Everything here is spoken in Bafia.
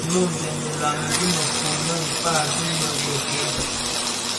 Mmusèn musèn dhilami di mefom me mkpag dhi më bëk-ke,